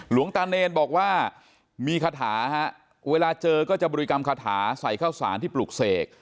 หลวงตาเนรบอกว่ามีคาถาฮะเวลาเจอก็จะบริกรรมคาถาใส่ข้าวสารที่ปลูกเสก